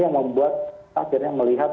yang membuat akhirnya melihat